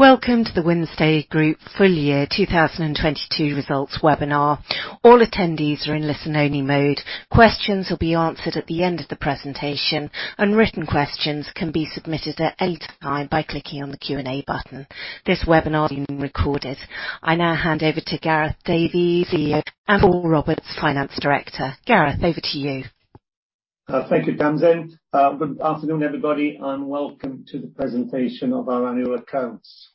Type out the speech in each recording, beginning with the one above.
Welcome to the Wynnstay Group full year 2022 results webinar. All attendees are in listen-only mode. Questions will be answered at the end of the presentation. Written questions can be submitted at any time by clicking on the Q&A button. This webinar is being recorded. I now hand over to Gareth Davies, CEO, and Paul Roberts, Finance Director. Gareth, over to you. Thank you, Tamsin. Good afternoon, everybody, and welcome to the presentation of our annual accounts.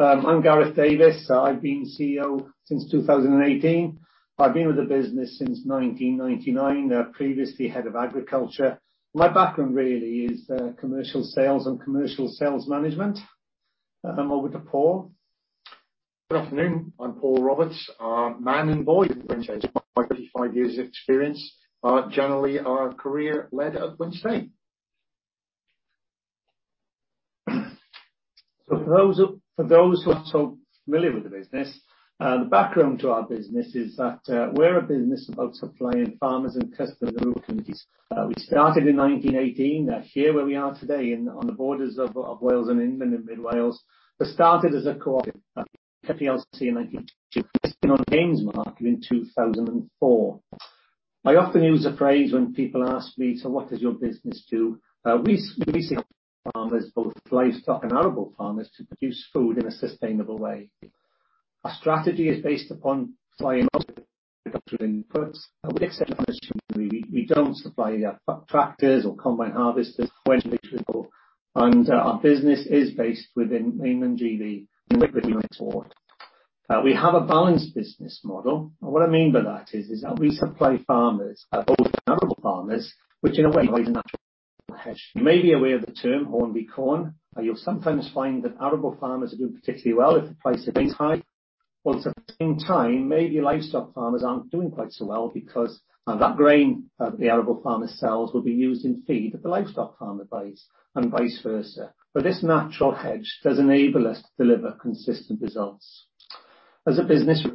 I'm Gareth Davies. I've been CEO since 2018. I've been with the business since 1999, previously Head of Agriculture. My background really is commercial sales and commercial sales management. Over to Paul. Good afternoon. I'm Paul Roberts, man and boy 55 years experience, generally our career led at Wynnstay. For those who are familiar with the business, the background to our business is that we're a business about supplying farmers and customers in rural communities. We started in 1918 here where we are today in, on the borders of Wales and England and Mid Wales. We started as a co-op listed on the AIM market in 2004. I often use a phrase when people ask me, "So what does your business do?" We supply farmers, both livestock and arable farmers to produce food in a sustainable way. Our strategy is based upon supplying agricultural inputs and we accept we don't supply tractors or combine harvesters and our business is based within mainland GB. We have a balanced business model, and what I mean by that is that we supply farmers, both arable farmers, which in a way is a natural hedge. You may be aware of the term horn and corn, and you'll sometimes find that arable farmers are doing particularly well if the price of grain is high. Also, at the same time, maybe livestock farmers aren't doing quite so well because that grain that the arable farmer sells will be used in feed that the livestock farmer buys, and vice versa. This natural hedge does enable us to deliver consistent results. As a business,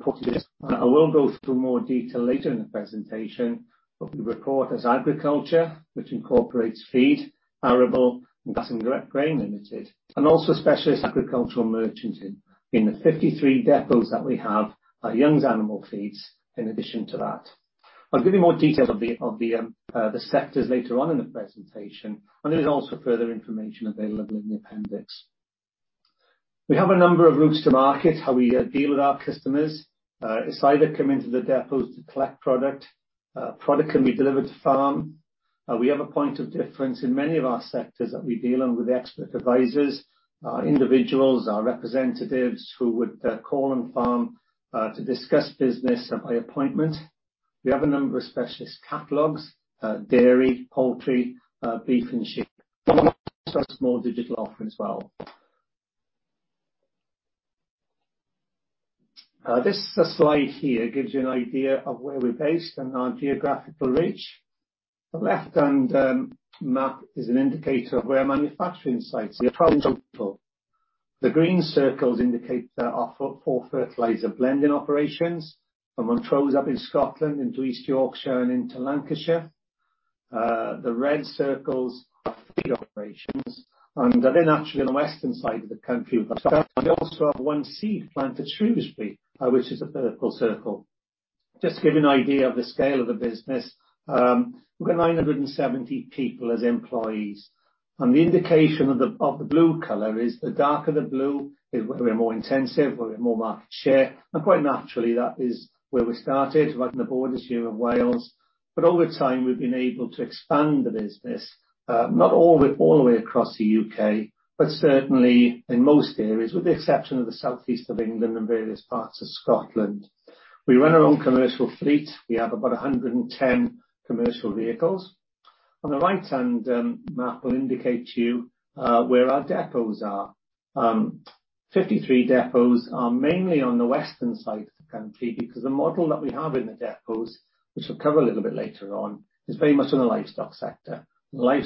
if I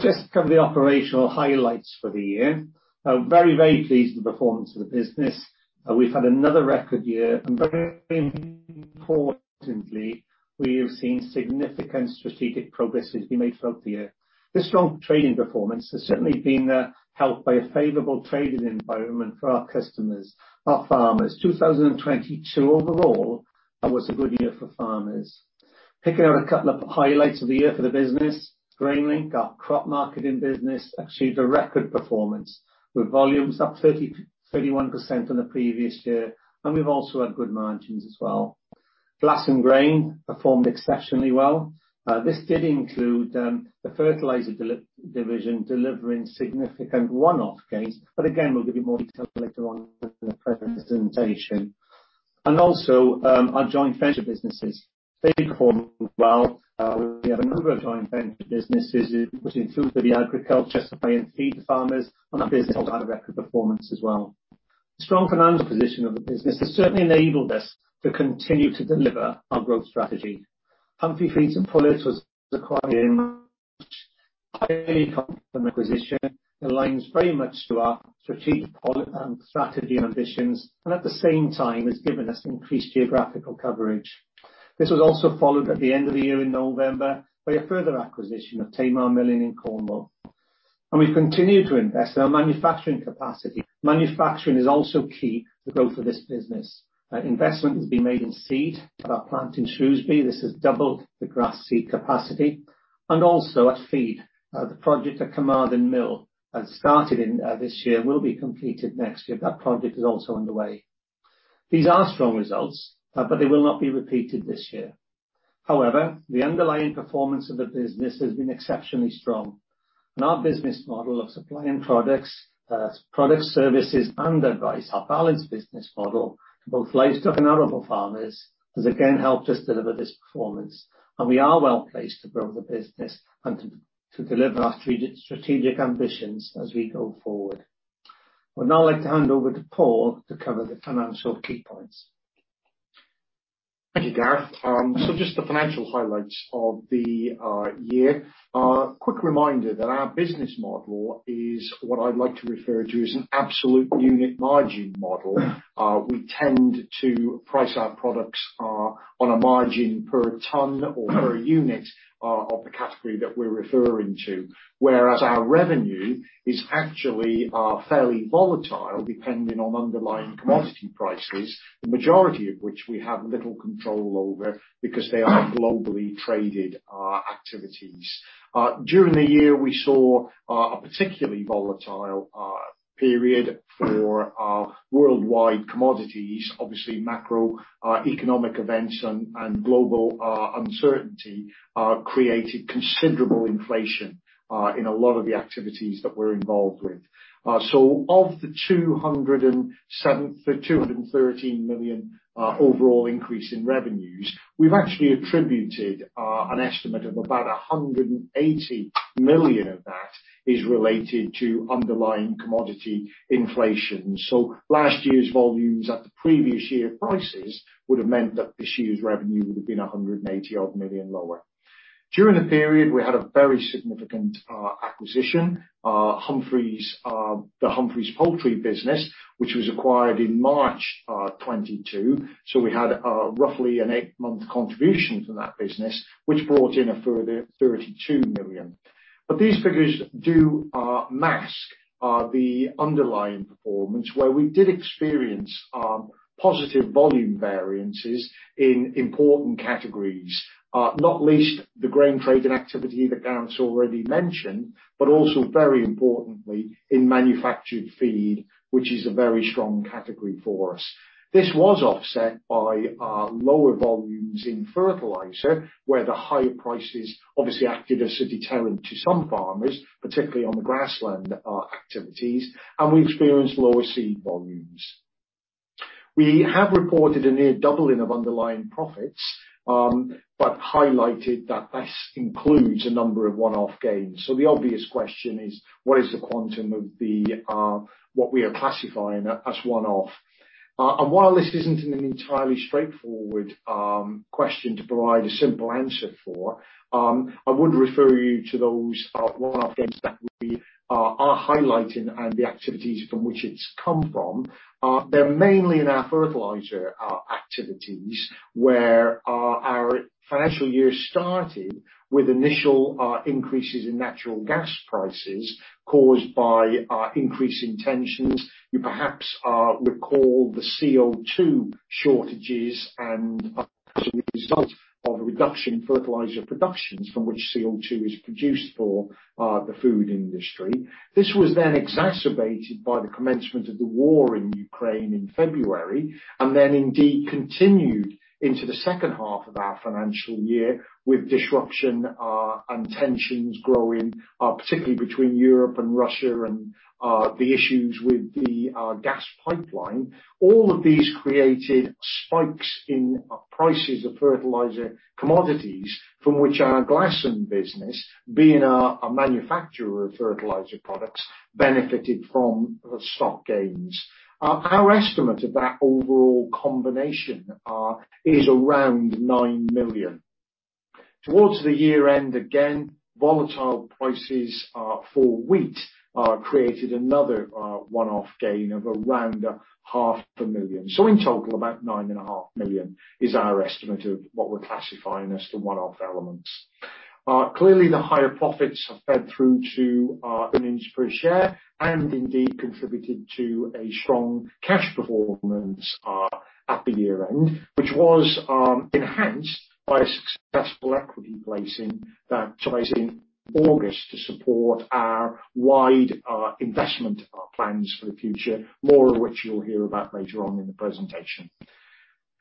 just cover the operational highlights for the year. I'm very, very pleased with the performance of the business. We've had another record year and very importantly, we have seen significant strategic progress as we made throughout the year. This strong trading performance has certainly been helped by a favorable trading environment for our customers, our farmers. 2022 overall was a good year for farmers. Picking out a couple of highlights of the year for the business, GrainLink, our crop marketing business, achieved a record performance, with volumes up 31% on the previous year. We've also had good margins as well. Glasson Grain performed exceptionally well. This did include the fertilizer division delivering significant one-off gains. Again, we'll give you more detail later on in the presentation. Our joint venture businesses, they performed well. We have a number of joint venture businesses, which include the agriculture supplying feed to farmers. That business also had a record performance as well. The strong financial position of the business has certainly enabled us to continue to deliver our growth strategy. Humphrey Feeds and Pullets was acquired in March. Acquisition aligns very much to our strategic strategy ambitions, at the same time has given us increased geographical coverage. This was also followed at the end of the year in November by a further acquisition of Tamar Milling in Cornwall. We've continued to invest in our manufacturing capacity. Manufacturing is also key to growth of this business. Investment has been made in seed at our plant in Shrewsbury. This has doubled the grass seed capacity and also at feed. The project at Carmarthen Mill has started in this year, will be completed next year. That project is also underway. These are strong results, but they will not be repeated this year. However, the underlying performance of the business has been exceptionally strong, and our business model of supplying products, services and advice, our balanced business model to both livestock and arable farmers has again helped us deliver this performance. We are well placed to grow the business and to deliver our strategic ambitions as we go forward. I would now like to hand over to Paul to cover the financial key points. Thank you, Gareth. Just the financial highlights of the year. Quick reminder that our business model is what I'd like to refer to as an absolute unit margin model. We tend to price our products on a margin per ton or per unit of the category that we're referring to. Whereas our revenue is actually fairly volatile, depending on underlying commodity prices, the majority of which we have little control over because they are globally traded activities. During the year, we saw a particularly volatile period for worldwide commodities. Obviously, macroeconomic events and global uncertainty created considerable inflation in a lot of the activities that we're involved with. Of the 213 million overall increase in revenues, we've actually attributed an estimate of about 180 million of that is related to underlying commodity inflation. Last year's volumes at the previous year prices would have meant that this year's revenue would have been 180 odd million lower. During the period, we had a very significant acquisition, Humphreys, the Humphreys poultry business, which was acquired in March 2022. We had roughly an eight month contribution from that business, which brought in a further 32 million. These figures do mask the underlying performance, where we did experience positive volume variances in important categories, not least the grain trading activity that Gareth's already mentioned, but also very importantly in manufactured feed, which is a very strong category for us. This was offset by lower volumes in fertilizer, where the higher prices obviously acted as a deterrent to some farmers, particularly on the grassland activities, and we experienced lower seed volumes. We have reported a near doubling of underlying profits, but highlighted that this includes a number of one-off gains. The obvious question is, what is the quantum of what we are classifying as one-off? While this isn't an entirely straightforward question to provide a simple answer for, I would refer you to those one-off gains that we are highlighting and the activities from which it's come from. They're mainly in our fertilizer activities, where our financial year started with initial increases in natural gas prices caused by increasing tensions. You perhaps recall the CO2 shortages and as a result of a reduction in fertilizer productions from which CO2 is produced for the food industry. This was then exacerbated by the commencement of the war in Ukraine in February, and then indeed continued into the second half of our financial year with disruption and tensions growing particularly between Europe and Russia and the issues with the gas pipeline. All of these created spikes in prices of fertilizer commodities from which our Glasson business, being a manufacturer of fertilizer products, benefited from the stock gains. Our estimate of that overall combination is around 9 million. Towards the year end, again, volatile prices for wheat created another one-off gain of around GBP half a million. In total, about 9.5 Million is our estimate of what we're classifying as the one-off elements. Clearly the higher profits have fed through to our earnings per share and indeed contributed to a strong cash performance at the year-end, which was enhanced by a successful equity placing that took place in August to support our wide investment plans for the future, more of which you'll hear about later on in the presentation.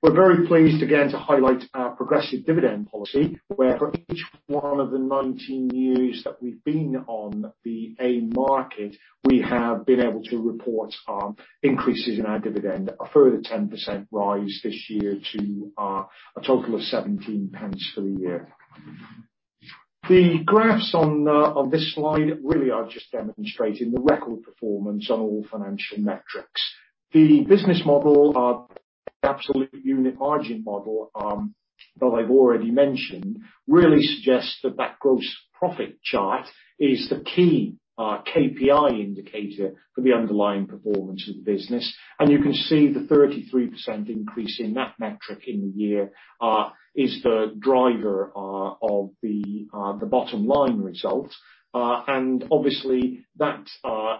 We're very pleased again to highlight our progressive dividend policy, where for each one of the 19 years that we've been on the AIM market, we have been able to report increases in our dividend, a further 10% rise this year to a total of 0.17 for the year. The graphs on this slide really are just demonstrating the record performance on all financial metrics. The business model, our absolute unit margin model, that I've already mentioned, really suggests that that gross profit chart is the key KPI indicator for the underlying performance of the business. You can see the 33% increase in that metric in the year is the driver of the bottom line results. Obviously that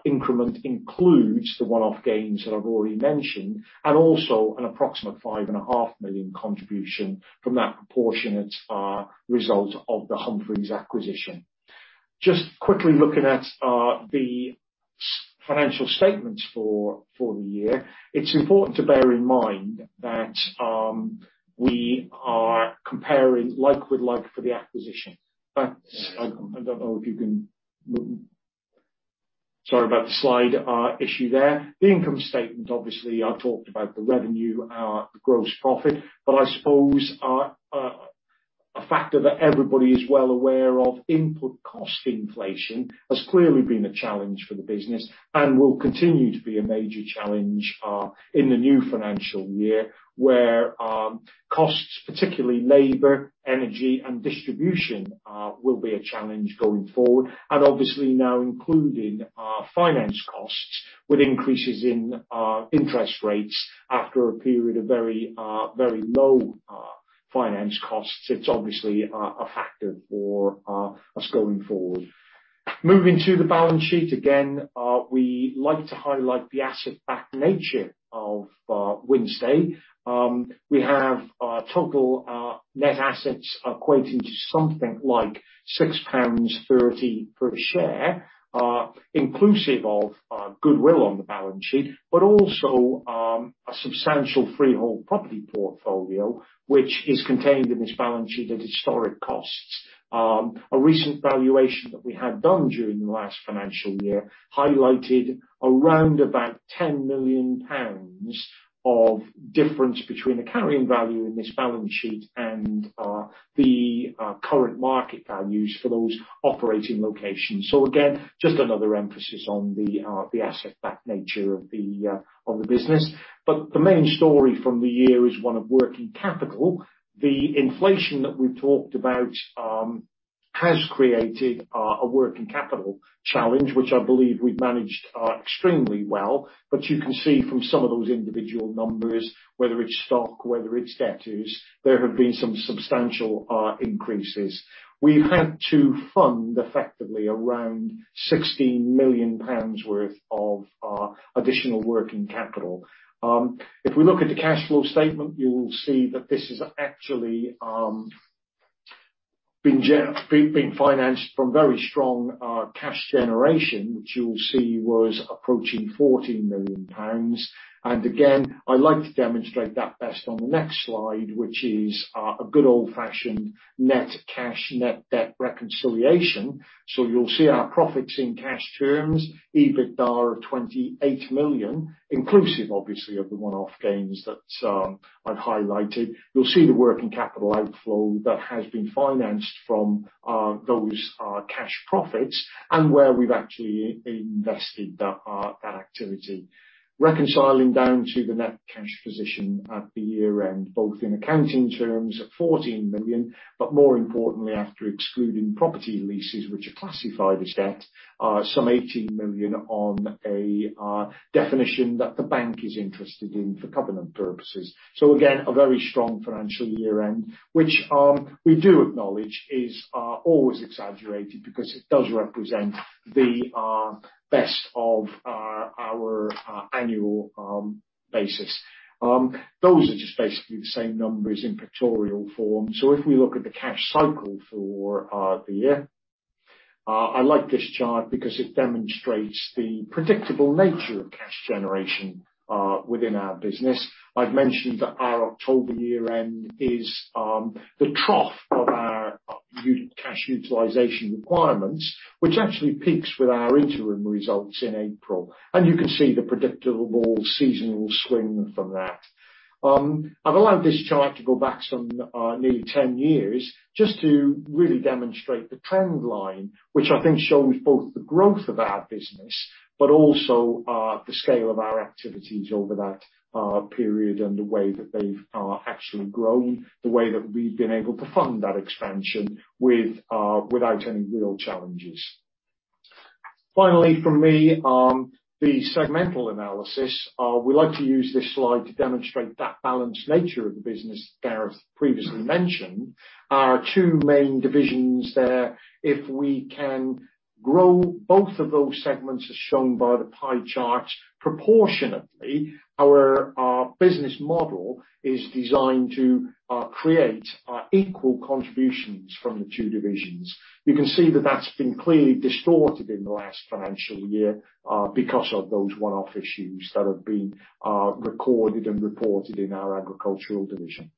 increment includes the one-off gains that I've already mentioned, and also an approximate 5.5 Million contribution from that proportionate result of the Humphreys acquisition. Just quickly looking at the financial statements for the year, it's important to bear in mind that we are comparing like with like for the acquisition. I don't know if you can. Sorry about the slide issue there. The income statement, obviously, I talked about the revenue, the gross profit. I suppose a, a factor that everybody is well aware of, input cost inflation has clearly been a challenge for the business and will continue to be a major challenge in the new financial year, where costs, particularly labor, energy and distribution, will be a challenge going forward. Obviously now including finance costs with increases in interest rates after a period of very, very low finance costs. It's obviously a factor for us going forward. Moving to the balance sheet, again, we like to highlight the asset-backed nature of Wynnstay. We have total net assets equating to something like 6.30 pounds per share, inclusive of goodwill on the balance sheet, but also a substantial freehold property portfolio which is contained in this balance sheet at historic costs. A recent valuation that we had done during the last financial year highlighted around about 10 million pounds of difference between the carrying value in this balance sheet and the current market values for those operating locations. Again, just another emphasis on the asset-backed nature of the business. The main story from the year is one of working capital. The inflation that we've talked about has created a working capital challenge, which I believe we've managed extremely well. You can see from some of those individual numbers, whether it's stock, whether it's debtors, there have been some substantial increases. We've had to fund effectively around 16 million pounds worth of additional working capital. If we look at the cash flow statement, you'll see that this is actually been financed from very strong cash generation, which you will see was approaching 14 million pounds. Again, I like to demonstrate that best on the next slide, which is a good old-fashioned net cash, net debt reconciliation. You'll see our profits in cash terms, EBITDA of 28 million, inclusive obviously of the one-off gains that I've highlighted. You'll see the working capital outflow that has been financed from those cash profits and where we've actually invested that activity. Reconciling down to the net cash position at the year-end, both in accounting terms, at 14 million, but more importantly, after excluding property leases which are classified as debt, some 18 million on a definition that the bank is interested in for covenant purposes. Again, a very strong financial year end, which we do acknowledge is always exaggerated because it does represent the best of our annual basis. Those are just basically the same numbers in pictorial form. If we look at the cash cycle for the year, I like this chart because it demonstrates the predictable nature of cash generation within our business. I've mentioned that our October year-end is the trough of our cash utilization requirements, which actually peaks with our interim results in April. You can see the predictable seasonal swing from that. I've allowed this chart to go back some nearly 10 years just to really demonstrate the trend line, which I think shows both the growth of our business, but also the scale of our activities over that period and the way that they've actually grown, the way that we've been able to fund that expansion without any real challenges. Finally from me, the segmental analysis. We like to use this slide to demonstrate that balanced nature of the business Gareth previously mentioned. Our two main divisions there, if we can grow both of those segments as shown by the pie charts, proportionately, our business model is designed to create equal contributions from the two divisions. You can see that that's been clearly distorted in the last financial year because of those one-off issues that have been recorded and reported in our agricultural division.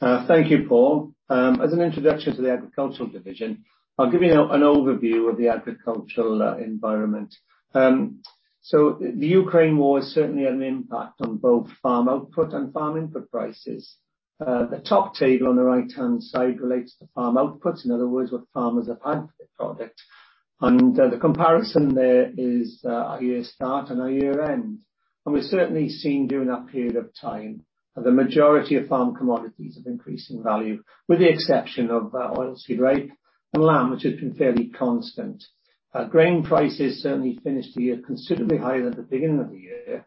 Thank you, Paul. As an introduction to the agricultural division, I'll give you an overview of the agricultural environment. The Ukraine war has certainly had an impact on both farm output and farm input prices. The top table on the right-hand side relates to farm outputs, in other words, what farmers have had for their product. The comparison there is our year start and our year end. We've certainly seen during that period of time, the majority of farm commodities have increased in value, with the exception of oilseed rape and lamb, which has been fairly constant. Grain prices certainly finished the year considerably higher than the beginning of the year.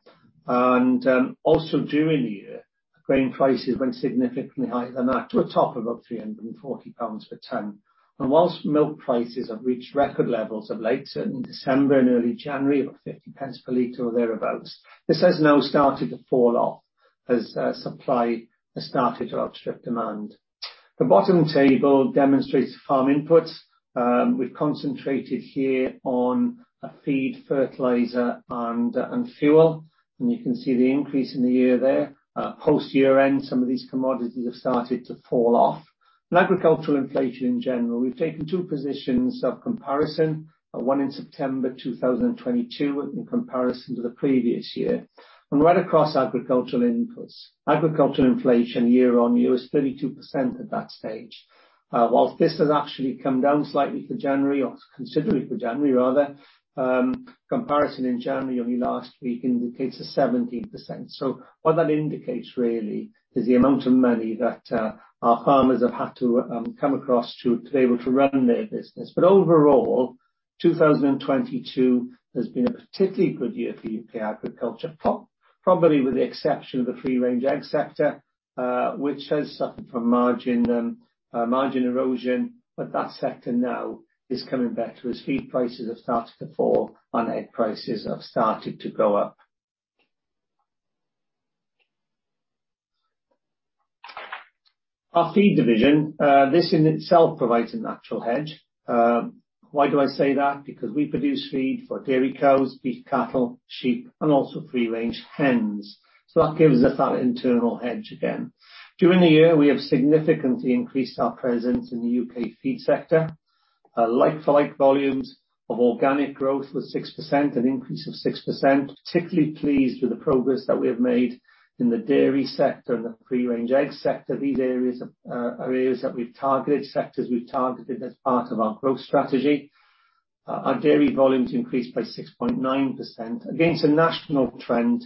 Also during the year, grain prices went significantly higher than that, to a top of about 340 pounds per ton. Whilst milk prices have reached record levels of late, certainly December and early January, about 0.50 per liter or thereabouts, this has now started to fall off as supply has started to outstrip demand. The bottom table demonstrates farm inputs. We've concentrated here on feed, fertilizer, and fuel, and you can see the increase in the year there. Post year end, some of these commodities have started to fall off. In agricultural inflation in general, we've taken two positions of comparison, one in September 2022 in comparison to the previous year. Right across agricultural inputs, agricultural inflation year-on-year was 32% at that stage. Whilst this has actually come down slightly for January, or considerably for January rather, comparison in January of last week indicates a 17%. What that indicates really is the amount of money that our farmers have had to come across to be able to run their business. Overall, 2022 has been a particularly good year for U.K. agriculture, probably with the exception of the free-range egg sector, which has suffered from margin erosion. That sector now is coming back to as feed prices have started to fall and egg prices have started to go up. Our feed division, this in itself provides a natural hedge. Why do I say that? Because we produce feed for dairy cows, beef cattle, sheep, and also free-range hens. That gives us that internal hedge again. During the year, we have significantly increased our presence in the U.K. feed sector. Like for like volumes of organic growth was 6%, an increase of 6%. Particularly pleased with the progress that we have made in the dairy sector and the free-range egg sector. These areas are areas that we've targeted, sectors we've targeted as part of our growth strategy. Our dairy volumes increased by 6.9% against a national trend,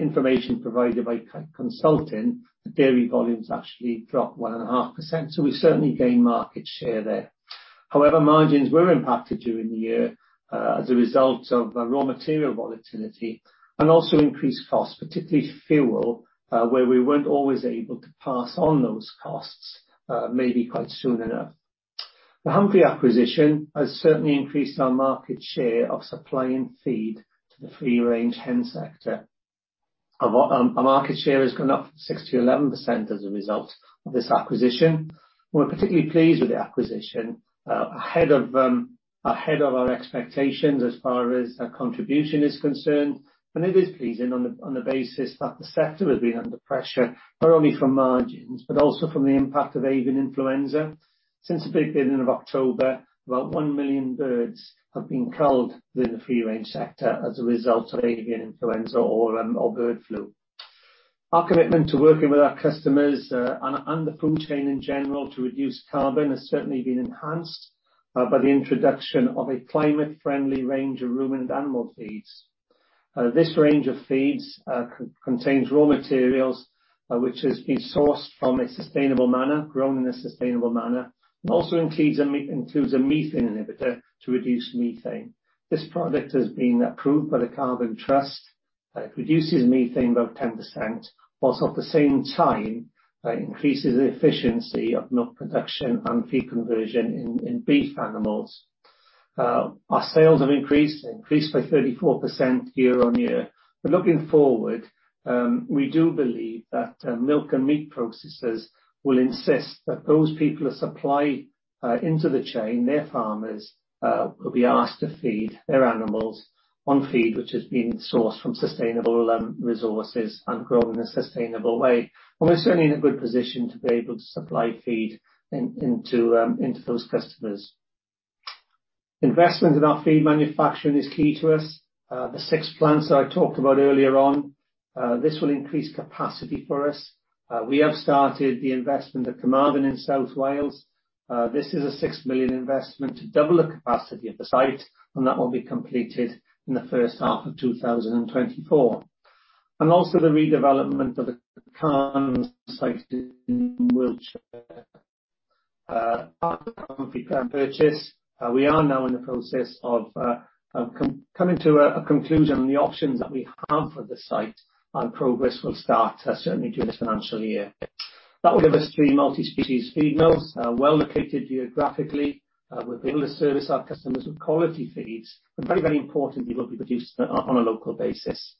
information provided by Kite Consulting, the dairy volumes actually dropped 1.5%. We certainly gained market share there. Margins were impacted during the year as a result of raw material volatility and also increased costs, particularly fuel, where we weren't always able to pass on those costs maybe quite soon enough. The Humphrey acquisition has certainly increased our market share of supplying feed to the free-range hen sector. Our market share has gone up 6%-11% as a result of this acquisition. We're particularly pleased with the acquisition, ahead of our expectations as far as our contribution is concerned. It is pleasing on the basis that the sector has been under pressure, not only from margins, but also from the impact of avian influenza. Since the beginning of October, about 1 million birds have been culled within the free range sector as a result of avian influenza or bird flu. Our commitment to working with our customers and the food chain in general to reduce carbon has certainly been enhanced by the introduction of a climate-friendly range of ruminant animal feeds. This range of feeds contains raw materials which has been sourced from a sustainable manner, grown in a sustainable manner, and also includes a methane inhibitor to reduce methane. This product has been approved by the Carbon Trust. It reduces methane by 10%, whilst at the same time, increases the efficiency of milk production and feed conversion in beef animals. Our sales have increased by 34% year on year. Looking forward, we do believe that milk and meat processors will insist that those people who supply into the chain, their farmers, will be asked to feed their animals on feed which is being sourced from sustainable resources and grown in a sustainable way. We're certainly in a good position to be able to supply feed into those customers. Investment in our feed manufacturing is key to us. The six plants that I talked about earlier on, this will increase capacity for us. We have started the investment at Carmarthen in South Wales. This is a 6 million investment to double the capacity of the site, and that will be completed in the first half of 2024. Also the redevelopment of the Calne site in Wiltshire. As part of the Humphrey purchase, we are now in the process of coming to a conclusion on the options that we have for the site, and progress will start certainly during this financial year. That will give us three multi-species feed mills, well-located geographically. We'll be able to service our customers with quality feeds, and very, very importantly, will be produced on a local basis.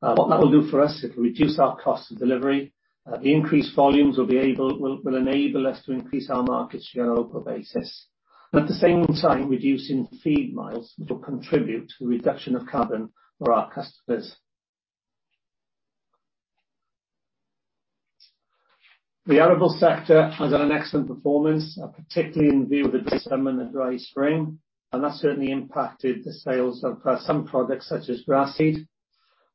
What that will do for us, it will reduce our cost of delivery. The increased volumes will be able to enable us to increase our market share on a local basis. At the same time, reducing feed miles will contribute to the reduction of carbon for our customers. The arable sector has had an excellent performance, particularly in view of the December and the dry spring, that certainly impacted the sales of some products such as grass seed.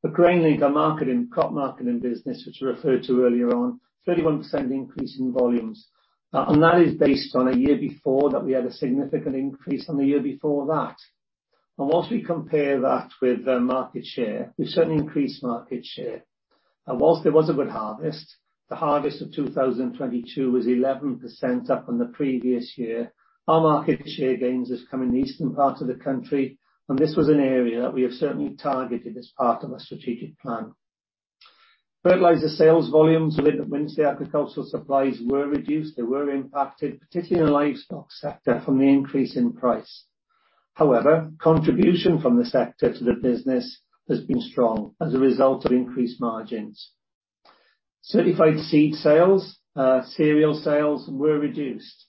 The GrainLink marketing, crop marketing business, which I referred to earlier on, 31% increase in volumes. That is based on a year before that we had a significant increase on the year before that. Once we compare that with market share, we certainly increased market share. Whilst there was a good harvest, the harvest of 2022 was 11% up from the previous year. Our market share gains has come in the eastern part of the country, and this was an area that we have certainly targeted as part of our strategic plan. Fertilizer sales volumes linked at Wynnstay Agricultural Supplies were reduced. They were impacted, particularly in the livestock sector, from the increase in price. However, contribution from the sector to the business has been strong as a result of increased margins. Certified seed sales, cereal sales were reduced.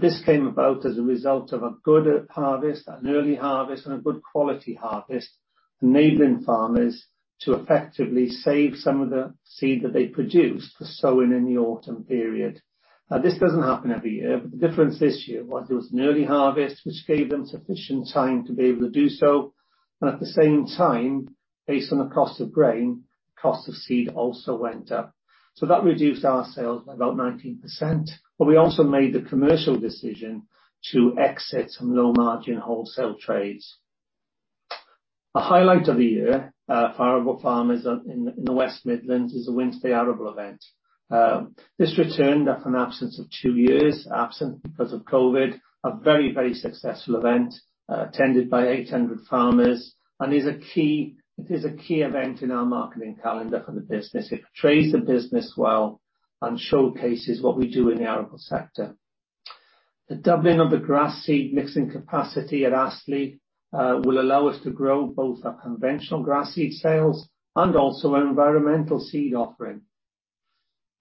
This came about as a result of a good harvest, an early harvest, and a good quality harvest, enabling farmers to effectively save some of the seed that they produced for sowing in the autumn period. This doesn't happen every year. The difference this year was there was an early harvest which gave them sufficient time to be able to do so. At the same time, based on the cost of grain, cost of seed also went up. That reduced our sales by about 19%. We also made the commercial decision to exit some low margin wholesale trades. A highlight of the year for arable farmers in the West Midlands is the Wednesday Arable Event. This returned after an absence of two years, absent because of COVID, a very successful event, attended by 800 farmers. It is a key event in our marketing calendar for the business. It portrays the business well and showcases what we do in the arable sector. The doubling of the grass seed mixing capacity at Astley will allow us to grow both our conventional grass seed sales and also our environmental seed offering.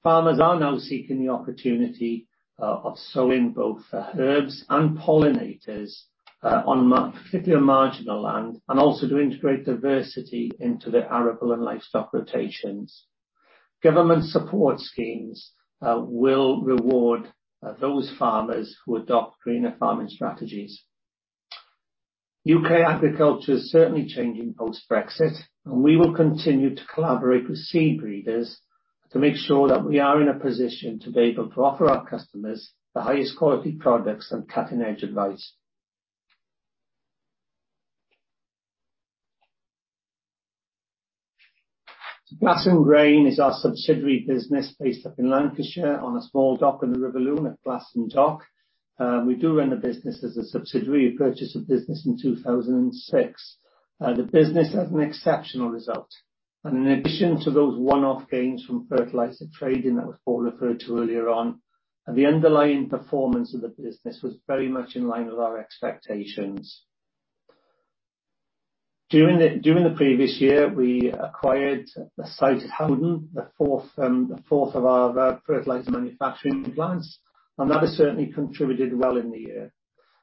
Farmers are now seeking the opportunity of sowing both the herbs and pollinators, particularly on marginal land, and also to integrate diversity into the arable and livestock rotations. Government support schemes will reward those farmers who adopt greener farming strategies. U.K. agriculture is certainly changing post-Brexit, we will continue to collaborate with seed breeders to make sure that we are in a position to be able to offer our customers the highest quality products and cutting-edge advice. Glasson Grain is our subsidiary business based up in Lancashire on a small dock in the River Lune at Glasson Dock. We do run the business as a subsidiary. We purchased the business in 2006. The business has an exceptional result. In addition to those one-off gains from fertilizer trading that was all referred to earlier on, the underlying performance of the business was very much in line with our expectations. During the previous year, we acquired the site at Howden, the fourth, the fourth of our fertilizer manufacturing plants, and that has certainly contributed well in the year.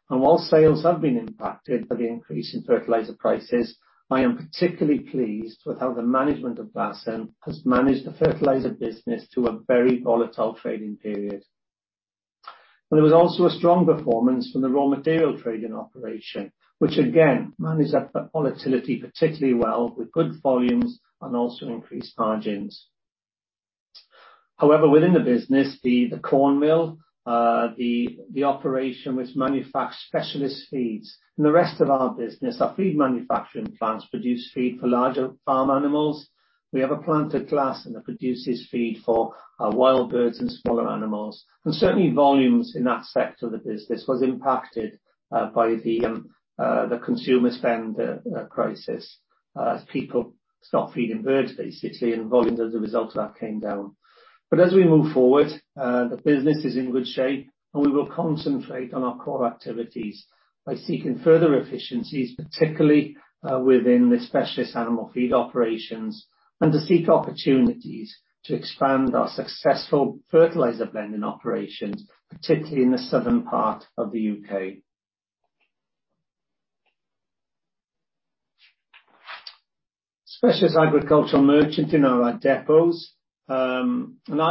While sales have been impacted by the increase in fertilizer prices, I am particularly pleased with how the management of Glasson has managed the fertilizer business through a very volatile trading period. It was also a strong performance from the raw material trading operation, which again managed that volatility particularly well with good volumes and also increased margins. However, within the business the corn mill, the operation which manufactures specialist feeds. In the rest of our business, our feed manufacturing plants produce feed for larger farm animals. We have a plant at Glasson that produces feed for wild birds and smaller animals. Certainly volumes in that sector of the business was impacted by the consumer spend crisis as people stop feeding birds basically, and volumes as a result of that came down. As we move forward, the business is in good shape, and we will concentrate on our core activities by seeking further efficiencies, particularly within the specialist animal feed operations, and to seek opportunities to expand our successful fertilizer blending operations, particularly in the southern part of the U.K. Specialist agricultural merchant in our depots. Our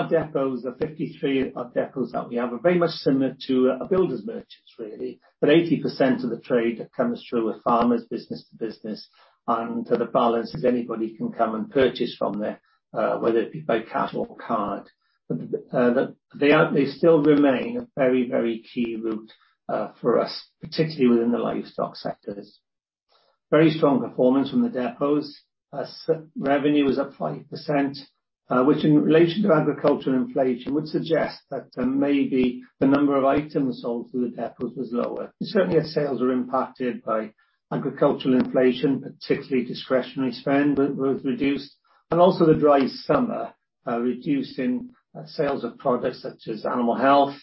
depots, the 53 depots that we have are very much similar to a builder's merchant, really. 80% of the trade comes through with farmers business to business, and the balance is anybody can come and purchase from there, whether it be by cash or card. They still remain a very, very key route for us, particularly within the livestock sectors. Very strong performance from the depots. Revenue was up 5%, which in relation to agricultural inflation, would suggest that there may be the number of items sold through the depots was lower. Certainly, our sales are impacted by agricultural inflation, particularly discretionary spend was reduced, also the dry summer, reducing sales of products such as animal health,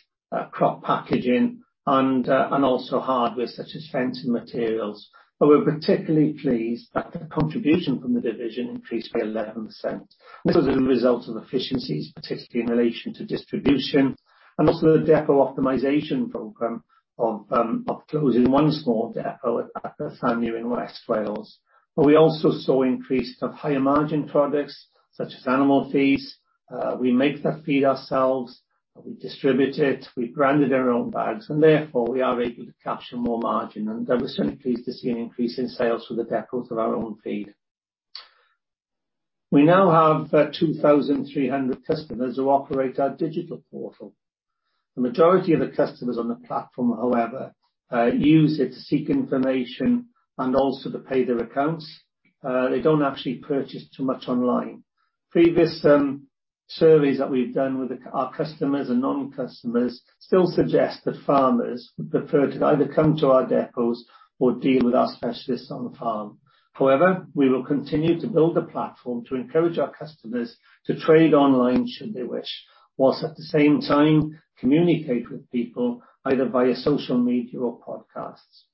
crop packaging and also hardware such as fencing materials. We're particularly pleased that the contribution from the division increased by 11%. This was as a result of efficiencies, particularly in relation to distribution and also the depot optimization program of closing one small depot at Ffynnon in West Wales. We also saw increased of higher margin products such as animal feeds. We make the feed ourselves. We distribute it, we've branded our own bags, and therefore we are able to capture more margin. I was certainly pleased to see an increase in sales for the depots of our own feed. We now have 2,300 customers who operate our digital portal. The majority of the customers on the platform, however, use it to seek information and also to pay their accounts. They don't actually purchase too much online. Previous surveys that we've done with our customers and non-customers still suggest that farmers would prefer to either come to our depots or deal with our specialists on the farm. However, we will continue to build the platform to encourage our customers to trade online should they wish, while at the same time communicate with people either via social media or podcasts.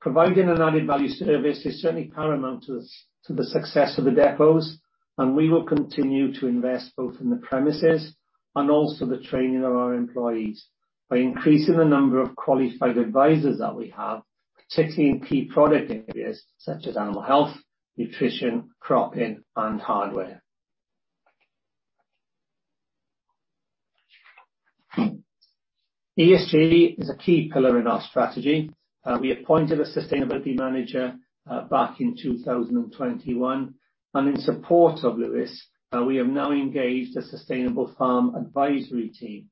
Providing an added value service is certainly paramount to the success of the depots, and we will continue to invest both in the premises and also the training of our employees by increasing the number of qualified advisors that we have, particularly in key product areas such as animal health, nutrition, cropping, and hardware. ESG is a key pillar in our strategy. We appointed a sustainability manager back in 2021, and in support of Lewis, we have now engaged a sustainable farm advisory team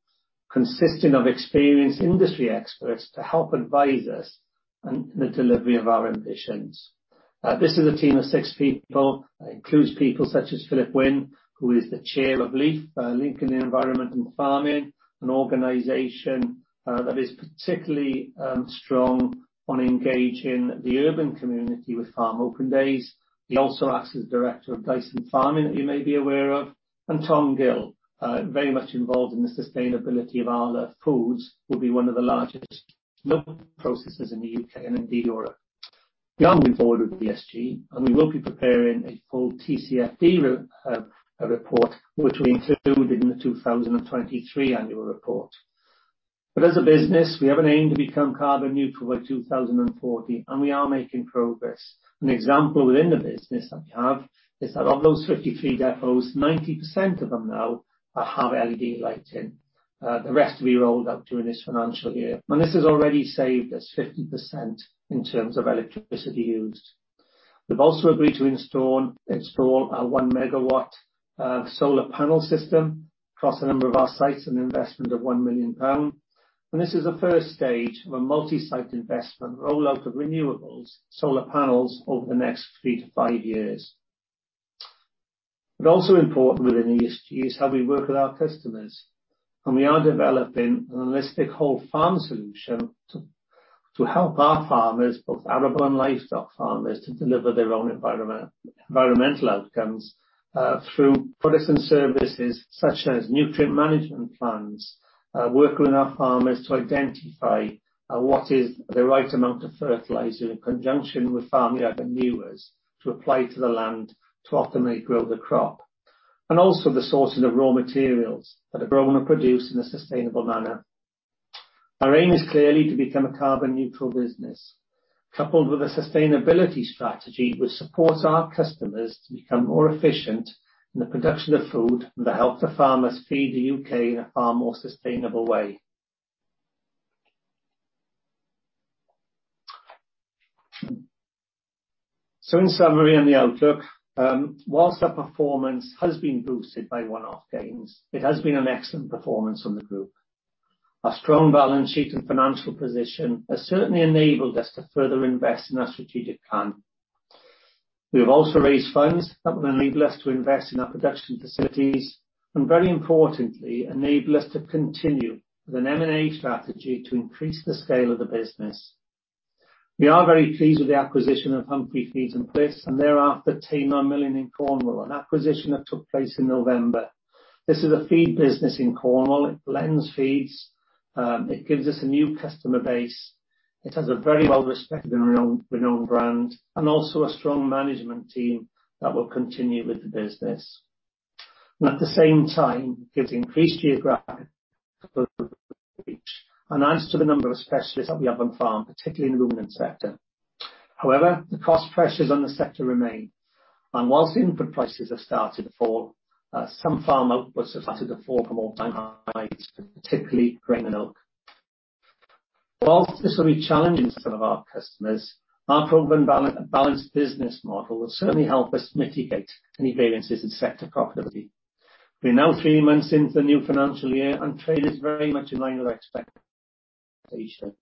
consisting of experienced industry experts to help advise us on the delivery of our ambitions. This is a team of six people. Includes people such as Philip Wynn, who is the chair of LEAF, Linking the Environment And Farming, an organization that is particularly strong on engaging the urban community with farm open days. He also acts as director of Dyson Farming, that you may be aware of. Tom Gill, very much involved in the sustainability of Arla Foods, will be one of the largest milk processors in the U.K. and indeed Europe. Beyond the board of ESG, we will be preparing a full TCFD report, which we included in the 2023 annual report. As a business, we have an aim to become carbon neutral by 2040, and we are making progress. An example within the business that we have is that of those 53 depots, 90% of them now have LED lighting. The rest will be rolled out during this financial year. This has already saved us 50% in terms of electricity used. We've also agreed to install a 1 megawatt solar panel system across a number of our sites, an investment of 1 million pound. This is the first stage of a multi-site investment rollout of renewables solar panels over the next three-five years. Also important within ESG is how we work with our customers, and we are developing an holistic whole farm solution to help our farmers, both arable and livestock farmers, to deliver their own environmental outcomes through products and services such as nutrient management plans, working with our farmers to identify what is the right amount of fertilizer in conjunction with farming avenues to apply to the land to optimally grow the crop. Also the sourcing of raw materials that are grown and produced in a sustainable manner. Our aim is clearly to become a carbon neutral business, coupled with a sustainability strategy which supports our customers to become more efficient in the production of food and that help the farmers feed the U.K. in a far more sustainable way. In summary, on the outlook, whilst our performance has been boosted by one-off gains, it has been an excellent performance from the group. Our strong balance sheet and financial position has certainly enabled us to further invest in our strategic plan. We have also raised funds that will enable us to invest in our production facilities and, very importantly, enable us to continue with an M&A strategy to increase the scale of the business. We are very pleased with the acquisition of Humphrey Feeds & Pullets, and thereafter Tamar Milling Limited in Cornwall, an acquisition that took place in November. This is a feed business in Cornwall. It blends feeds. It gives us a new customer base. It has a very well-respected and renowned brand and also a strong management team that will continue with the business. At the same time, gives increased geographic and adds to the number of specialists that we have on farm, particularly in the ruminant sector. However, the cost pressures on the sector remain, and whilst input prices have started to fall, some farm outputs have started to fall from all-time highs, particularly grain and oats. Whilst this will be challenging for some of our customers, our proven balanced business model will certainly help us mitigate any variances in sector profitably. We're now three months into the new financial year, and trade is very much in line with expectations.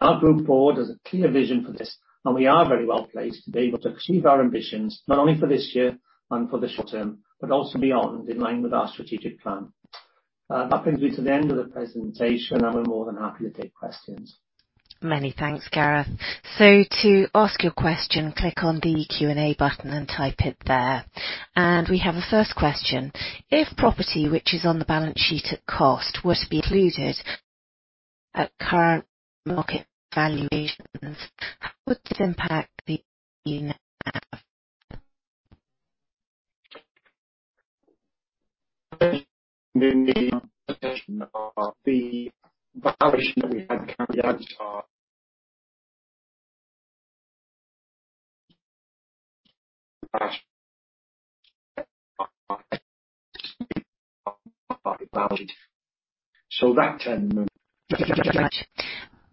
Our group board has a clear vision for this, and we are very well placed to be able to achieve our ambitions, not only for this year and for the short term, but also beyond, in line with our strategic plan. That brings me to the end of the presentation. I'll be more than happy to take questions. Many thanks, Gareth. To ask your question, click on the Q&A button and type it there. We have a first question. If property which is on the balance sheet at cost were to be included at current market valuations, how would this impact the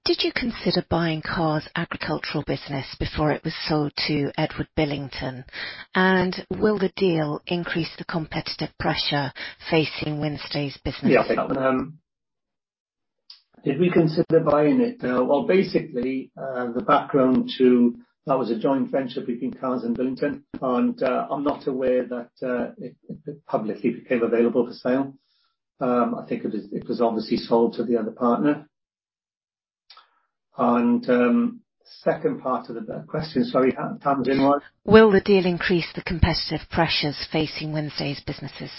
Did you consider buying Carr's agricultural business before it was sold to Edward Billington? Will the deal increase the competitive pressure facing Wynnstay's business? Yeah. Did we consider buying it? Well, basically, the background to that was a joint venture between Carr's and Billington. I'm not aware that it publicly became available for sale. I think it was obviously sold to the other partner. Second part of the question, sorry, how did what? Will the deal increase the competitive pressures facing Wynnstay's businesses?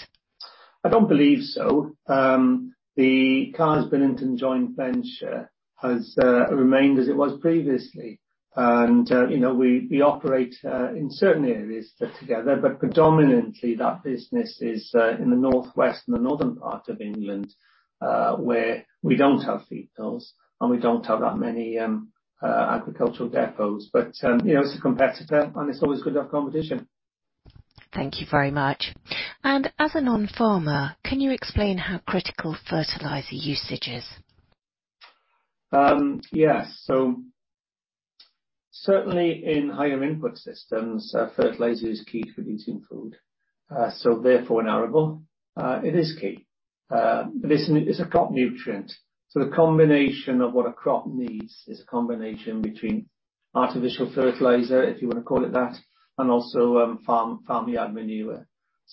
I don't believe so. The Carr's Billington joint venture has remained as it was previously. You know, we operate in certain areas together, but predominantly that business is in the northwest and the northern part of England, where we don't have feed mills and we don't have that many agricultural depots. You know, it's a competitor, and it's always good to have competition. Thank you very much. As a non-farmer, can you explain how critical fertilizer usage is? Yes. Certainly in higher input systems, fertilizer is key to producing food. Therefore, in arable, it is key. It's a crop nutrient. The combination of what a crop needs is a combination between artificial fertilizer, if you wanna call it that, and also, farmyard manure.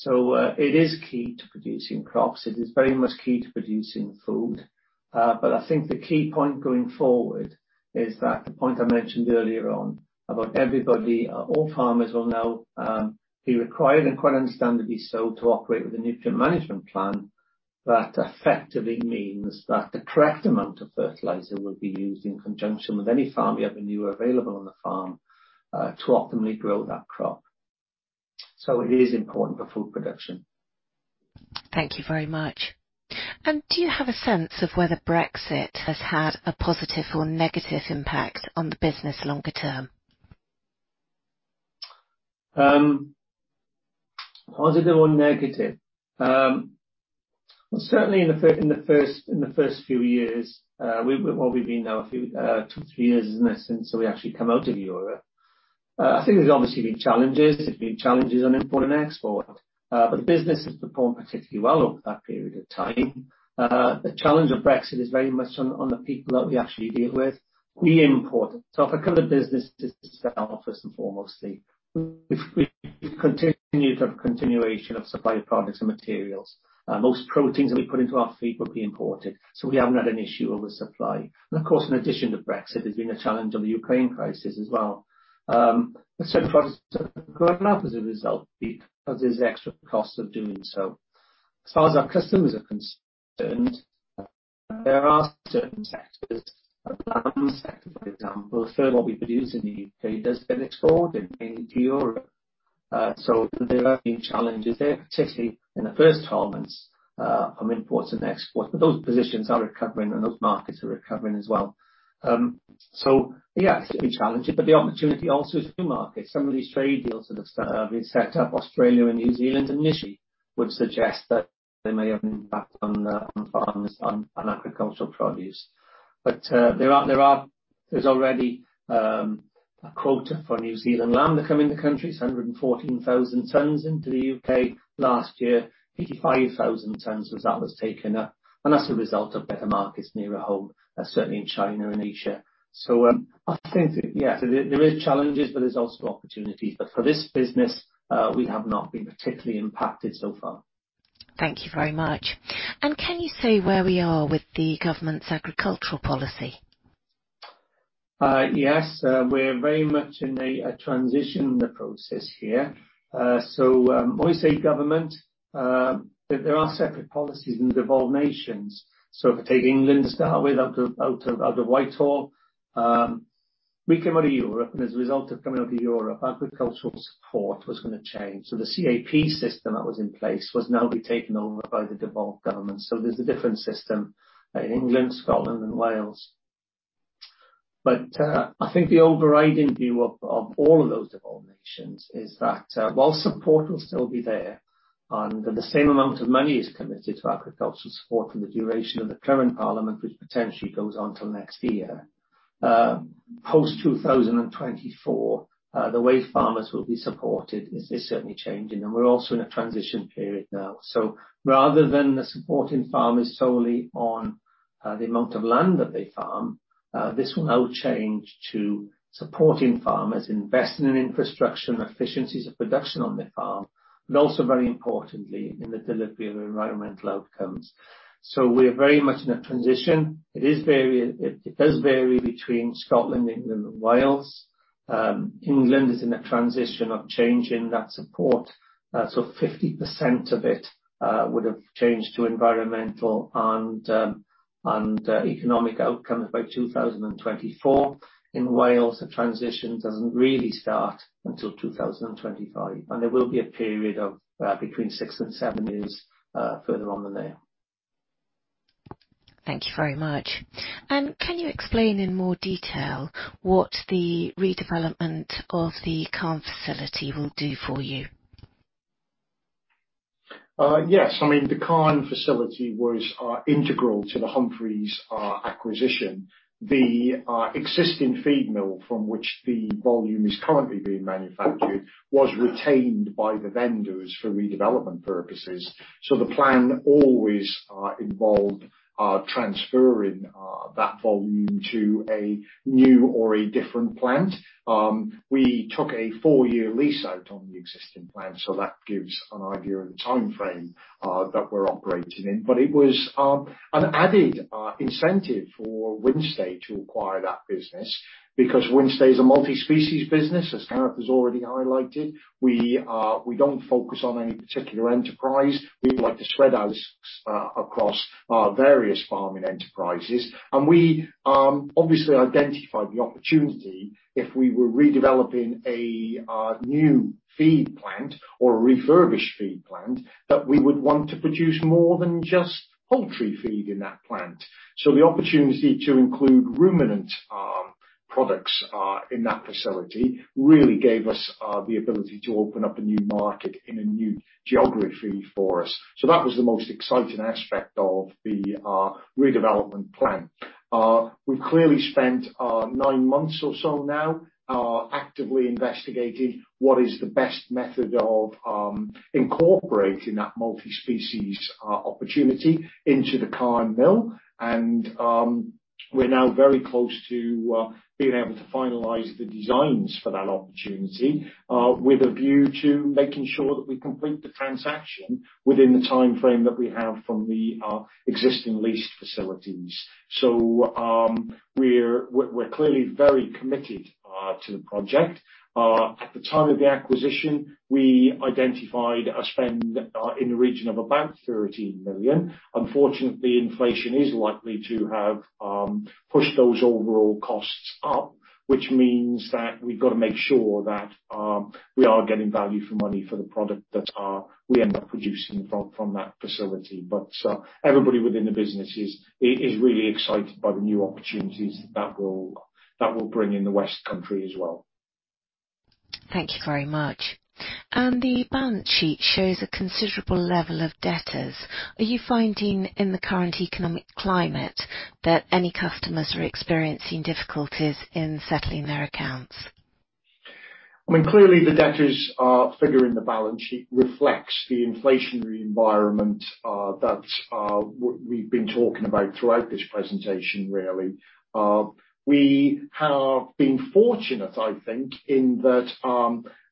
It is key to producing crops. It is very much key to producing food. I think the key point going forward is that the point I mentioned earlier on about everybody, all farmers will now be required, and quite understandably so, to operate with a nutrient management plan. That effectively means that the correct amount of fertilizer will be used in conjunction with any farmyard manure available on the farm, to optimally grow that crop. It is important for food production. Thank you very much. Do you have a sense of whether Brexit has had a positive or negative impact on the business longer term? Positive or negative? Well, certainly in the first few years, we've been now a few, two to three years, isn't it, since we actually come out of Europe. I think there's obviously been challenges. There's been challenges on import and export. Business has performed particularly well over that period of time. The challenge of Brexit is very much on the people that we actually deal with. We import. If I cover business itself, first and foremostly, we've continued a continuation of supply of products and materials. Most proteins that we put into our feed will be imported. We haven't had an issue with supply. Of course, in addition to Brexit, there's been a challenge of the Ukraine crisis as well. Certain products have gone up as a result because there's extra costs of doing so. As far as our customers are concerned, there are certain sectors, the lamb sector, for example, a third of what we produce in the U.K. does get exported into Europe. There have been challenges there, particularly in the first 12 months, on imports and exports, but those positions are recovering, and those markets are recovering as well. Yeah, it's been challenging, but the opportunity also is new markets. Some of these trade deals that have been set up, Australia and New Zealand initially would suggest that they may have impact on the, on farms, on agricultural produce. There's already a quota for New Zealand lamb to come in the country. It's 114,000 tons into the U.K. last year. 85,000 tons of that was taken up, and that's a result of better markets nearer home, certainly in China and Asia. I think, yeah, so there is challenges, but there's also opportunities. For this business, we have not been particularly impacted so far. Thank you very much. Can you say where we are with the government's agricultural policy? Yes. We're very much in a transition process here. When we say government, there are separate policies in the devolved nations. If we take England to start with out of Whitehall, we came out of Europe, and as a result of coming out of Europe, agricultural support was gonna change. The CAP system that was in place was now being taken over by the devolved government. There's a different system in England, Scotland and Wales. I think the overriding view of all of those devolved nations is that while support will still be there and the same amount of money is committed to agricultural support for the duration of the current parliament, which potentially goes on till next year, post 2024, the way farmers will be supported is certainly changing. We're also in a transition period now. Rather than us supporting farmers solely on the amount of land that they farm, this will now change to supporting farmers investing in infrastructure and efficiencies of production on the farm, but also, very importantly, in the delivery of environmental outcomes. We're very much in a transition. It does vary between Scotland, England and Wales. England is in a transition of changing that support. 50% of it would've changed to environmental and economic outcomes by 2024. In Wales, the transition doesn't really start until 2025, there will be a period of between six and seven years further on than there. Thank you very much. Can you explain in more detail what the redevelopment of the Calne facility will do for you? Yes. I mean, the Calne facility was integral to the Humphreys acquisition. The existing feed mill from which the volume is currently being manufactured was retained by the vendors for redevelopment purposes. The plan always involved transferring that volume to a new or a different plant. We took a four-year lease out on the existing plant, that gives an idea of the timeframe that we're operating in. It was an added incentive for Wynnstay to acquire that business because Wynnstay is a multi-species business, as Gareth has already highlighted. We don't focus on any particular enterprise. We like to spread our risks across our various farming enterprises. We obviously identified the opportunity if we were redeveloping a new feed plant or a refurbished feed plant, that we would want to produce more than just poultry feed in that plant. The opportunity to include ruminant products in that facility really gave us the ability to open up a new market in a new geography for us. That was the most exciting aspect of the redevelopment plan. We've clearly spent nine months or so now actively investigating what is the best method of incorporating that multi-species opportunity into the Calne Mill. We're now very close to being able to finalize the designs for that opportunity with a view to making sure that we complete the transaction within the timeframe that we have from the existing leased facilities. We're clearly very committed to the project. At the time of the acquisition, we identified a spend in the region of about 13 million. Unfortunately, inflation is likely to have pushed those overall costs up, which means that we've gotta make sure that we are getting value for money for the product that we end up producing from that facility. Everybody within the business is really excited by the new opportunities that will bring in the West Country as well. Thank you very much. The balance sheet shows a considerable level of debtors. Are you finding in the current economic climate that any customers are experiencing difficulties in settling their accounts? I mean, clearly the debtors figure in the balance sheet reflects the inflationary environment that we've been talking about throughout this presentation, really. We have been fortunate, I think, in that,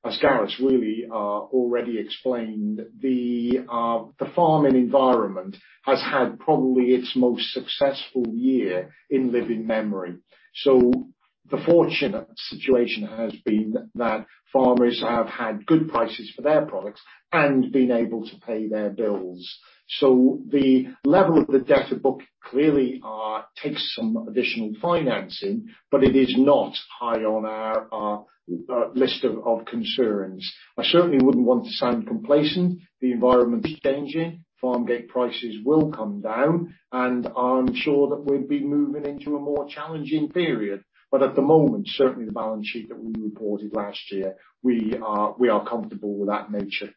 as Gareth's really already explained, the farming environment has had probably its most successful year in living memory. The fortunate situation has been that farmers have had good prices for their products and been able to pay their bills. The level of the debtor book clearly takes some additional financing, but it is not high on our list of concerns. I certainly wouldn't want to sound complacent. The environment is changing. Farm gate prices will come down, and I'm sure that we'll be moving into a more challenging period. At the moment, certainly the balance sheet that we reported last year, we are comfortable with that nature.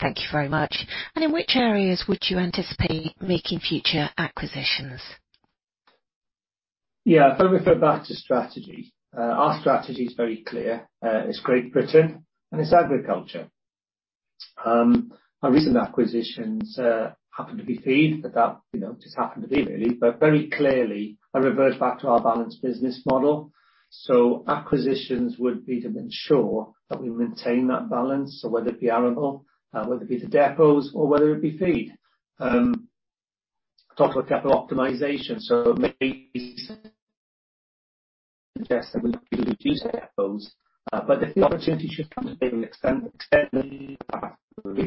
Thank you very much. In which areas would you anticipate making future acquisitions? Yeah. If I refer back to strategy, our strategy is very clear. It's Great Britain and it's agriculture. Our recent acquisitions happen to be feed, but that, you know, just happened to be really. Very clearly I revert back to our balanced business model. Acquisitions would be to ensure that we maintain that balance. Whether it be arable, whether it be the depots, or whether it be feed. Talk about capital optimization, maybe suggest that we looking to reduce depots. If the opportunity should come to be able to extend regional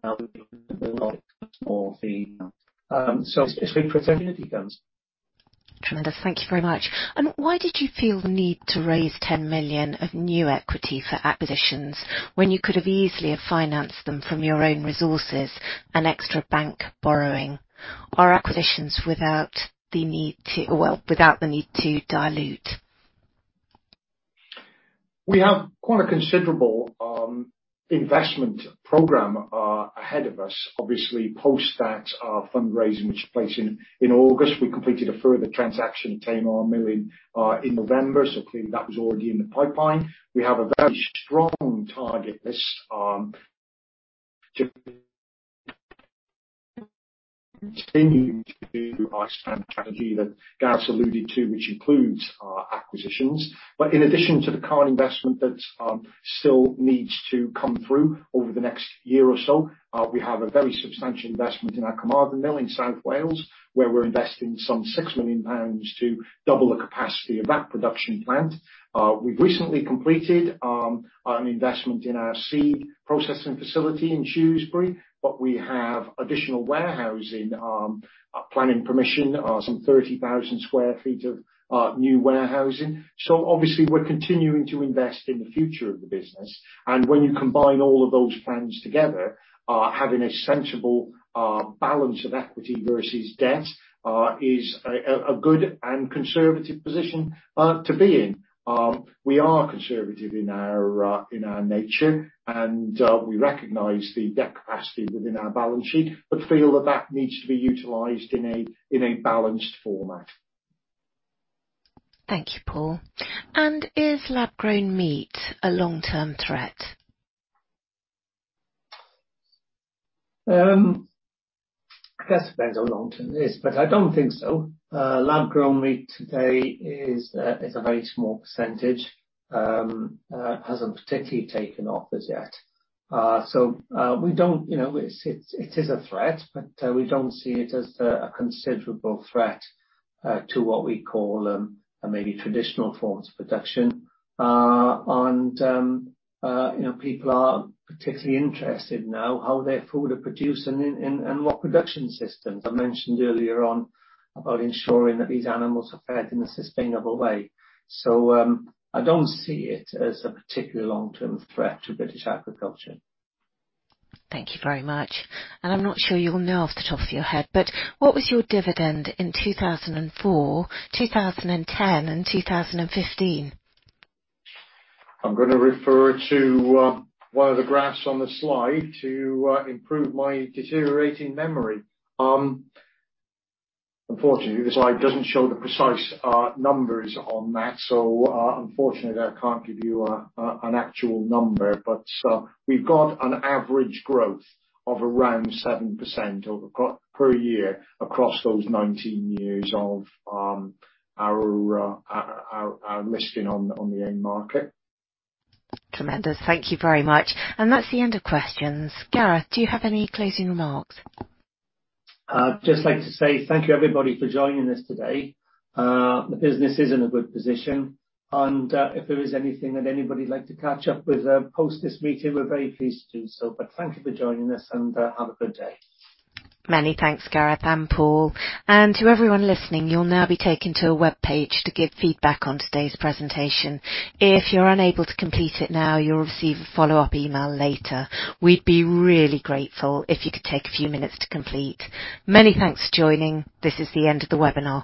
for feed. It's where profitability goes. Tremendous. Thank you very much. Why did you feel the need to raise 10 million of new equity for acquisitions when you could have easily have financed them from your own resources and extra bank borrowing? Well, without the need to dilute? We have quite a considerable investment program ahead of us, obviously post that fundraising which took place in August. We completed a further transaction of 10 million in November. Clearly that was already in the pipeline. We have a very strong target this, continuing to do our standard strategy that Gareth's alluded to, which includes acquisitions. In addition to the Calne investment that still needs to come through over the next year or so, we have a very substantial investment in our Carmarthen Mill in South Wales, where we're investing some 6 million pounds to double the capacity of that production plant. We've recently completed an investment in our seed processing facility in Shrewsbury. We have additional warehousing, planning permission, some 30,000 sq ft of new warehousing. Obviously we're continuing to invest in the future of the business. When you combine all of those plans together, having a sensible balance of equity versus debt, is a good and conservative position to be in. We are conservative in our nature and we recognize the debt capacity within our balance sheet, but feel that that needs to be utilized in a balanced format. Thank you, Paul. Is lab-grown meat a long-term threat? I guess it depends on long-term is, but I don't think so. Lab-grown meat today is a very small percentage. It hasn't particularly taken off as yet. You know, it's a threat, but we don't see it as a considerable threat to what we call maybe traditional forms of production. You know, people are particularly interested now how their food are produced and what production systems. I mentioned earlier on about ensuring that these animals are fed in a sustainable way. I don't see it as a particular long-term threat to British agriculture. Thank you very much. I'm not sure you'll know off the top of your head, but what was your dividend in 2004, 2010, and 2015? I'm gonna refer to one of the graphs on the slide to improve my deteriorating memory. Unfortunately, the slide doesn't show the precise numbers on that. Unfortunately, I can't give you an actual number. We've got an average growth of around 7% per year across those 19 years of our risk in on the end market. Tremendous. Thank you very much. That's the end of questions. Gareth, do you have any closing remarks? I'd just like to say thank you, everybody, for joining us today. The business is in a good position, and if there is anything that anybody'd like to catch up with, post this meeting, we're very pleased to do so. Thank you for joining us, and have a good day. Many thanks, Gareth and Paul. To everyone listening, you'll now be taken to a webpage to give feedback on today's presentation. If you're unable to complete it now, you'll receive a follow-up email later. We'd be really grateful if you could take a few minutes to complete. Many thanks joining. This is the end of the webinar.